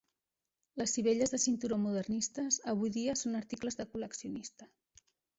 Les sivelles de cinturó modernistes avui dia són articles de col·leccionista.